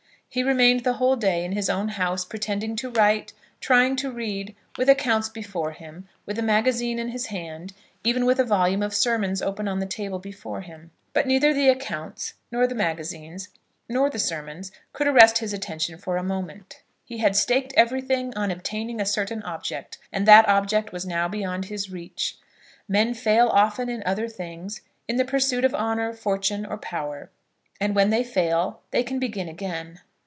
He remained the whole day in his own house, pretending to write, trying to read, with accounts before him, with a magazine in his hand, even with a volume of sermons open on the table before him. But neither the accounts, nor the magazines, nor the sermons, could arrest his attention for a moment. He had staked everything on obtaining a certain object, and that object was now beyond his reach. Men fail often in other things, in the pursuit of honour, fortune, or power, and when they fail they can begin again.